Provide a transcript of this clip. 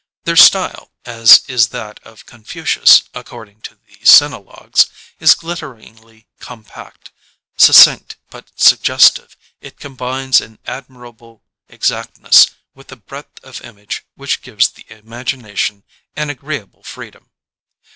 Their style, as is that of Confucius according to the sinologues, is glitteringly compact: succinct but suggestive it combines an admirable exactness with a breadth of image which gives the imagination an agreeable freedom.